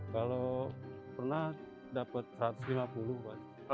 kalau pernah dapat satu ratus lima puluh pak